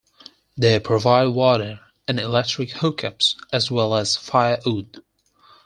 They provide water and electric hookups as well as firewood.